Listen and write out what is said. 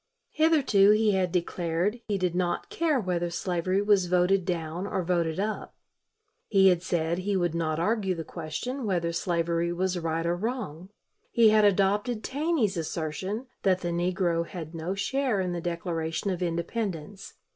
Hitherto he had declared he did not care whether slavery was voted down or voted up. He had said he would not argue the question whether slavery was right or wrong. He had adopted Taney's assertion that the negro had no share in the Declaration of Independence.